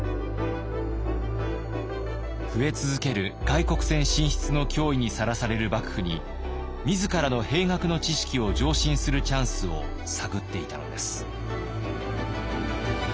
増え続ける外国船進出の脅威にさらされる幕府に自らの兵学の知識を上申するチャンスを探っていたのです。